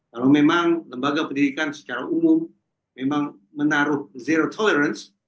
kalau memang lembaga pendidikan secara umum memang menaruh zero tolerance